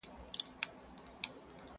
ورته جوړ به د قامونو انجمن سي؛